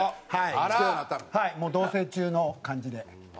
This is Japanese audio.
はいもう同棲中の感じで。